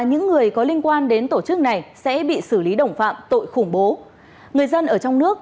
những người có liên quan đến tổ chức này sẽ bị xử lý đồng phạm tội khủng bố người dân ở trong nước